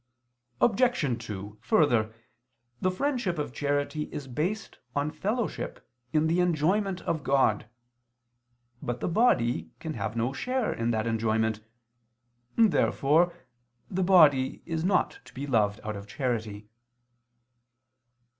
Obj. 2: Further, the friendship of charity is based on fellowship in the enjoyment of God. But the body can have no share in that enjoyment. Therefore the body is not to be loved out of charity.